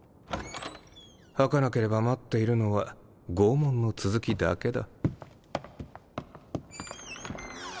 吐かなければ待っているのは拷問の続きだけだ。